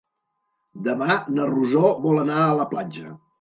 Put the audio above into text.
Demà na Rosó vol anar a la platja.